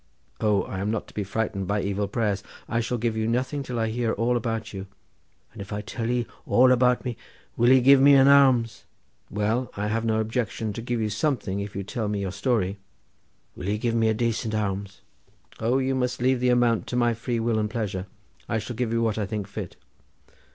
"O, I am not to be frightened by evil prayers! I shall give you nothing till I hear all about you." "If I tell ye all about me will ye give me an alms?" "Well, I have no objection to give you something if you tell me your story." "Will ye give me a dacent alms?" "O, you must leave the amount to my free will and pleasure. I shall give you what I think fit."